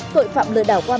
tội phạm lừa đảo qua mạng